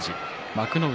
幕内